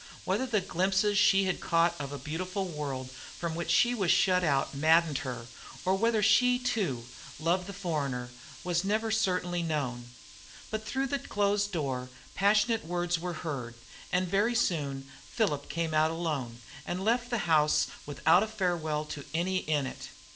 Whether the glimpses she caught of a beautiful world from which she was shut out maddened her, or whether she, too, loved the foreigner, was never certainly known; but through the closed door passionate words were heard, and very soon Philip came out alone, and left the house without a farewell to any in it.